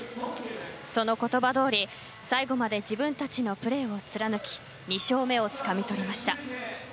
その言葉どおり最後まで自分たちのプレーを貫き２勝目をつかみ取りました。